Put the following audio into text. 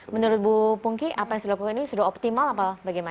menurut bu pungki apa yang dilakukan ini sudah optimal apa bagaimana